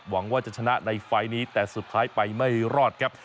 หวังว่าจะชนะในไฟล์นี้แต่สุดท้ายไปไม่รอดครับ